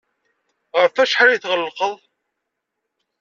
Ɣef wacḥal ay tɣellqeḍ?